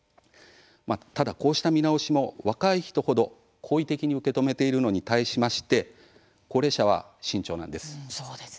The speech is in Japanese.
ただ、こうした見直しも若い人程、好意的に受け止めているのに対しまして高齢者は慎重なんです。